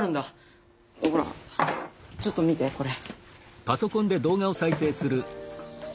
ほらちょっと見てこれ。